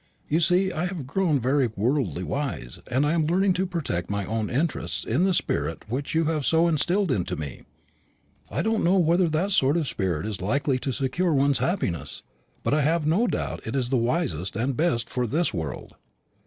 You see I have grown very worldly wise, and am learning to protect my own interests in the spirit which you have so instilled into me. I don't know whether that sort of spirit is likely to secure one's happiness, but I have no doubt it is the wisest and best for this world."